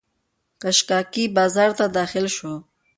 قشقایي بازار ته داخل شو.